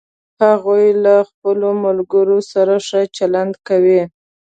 هغوی له خپلوملګرو سره ښه چلند کوي